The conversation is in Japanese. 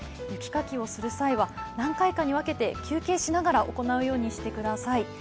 雪かきをする際は何回かにかけて休憩しながら行うようにしてください。